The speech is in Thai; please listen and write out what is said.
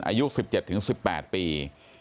อายุ๑๗๑๘ปี